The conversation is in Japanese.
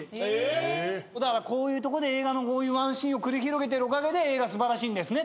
だからこういうとこで映画のワンシーンを繰り広げてるおかげで映画素晴らしいんですね。